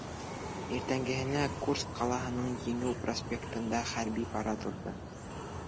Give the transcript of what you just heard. Иртәгәһенә Курск ҡалаһының Еңеү проспектында хәрби парад уҙҙы.